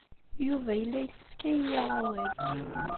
Yuba yella yessefk ad iyi-yaɣ awal.